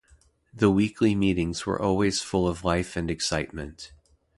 The weekly meetings were always full of life and excitement.